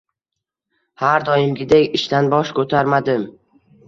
– Har doimgidek, ishdan bosh ko‘tarmadim.